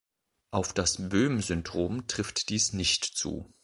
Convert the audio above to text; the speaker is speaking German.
Auf das Boehm-Syndrom trifft dies nicht zu.